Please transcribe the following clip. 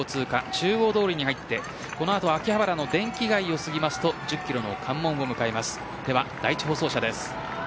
中央通りに入って秋葉原の電気街をすぎると１０キロの関門を迎えます。